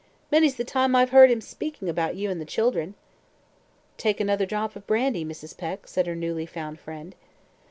"Many's the time I've heard him speaking about you and the children." "Take another drop of brandy, Mrs. Peck," said her newly found friend.